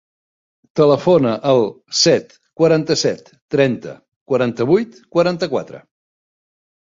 Telefona al set, quaranta-set, trenta, quaranta-vuit, quaranta-quatre.